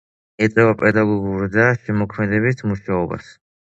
ეწევა პედაგოგიურ და შემოქმედებით მუშაობას.